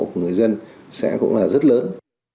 của người dân sẽ cũng là rất lớn